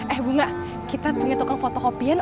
eh bunga kita punya tukang fotokopien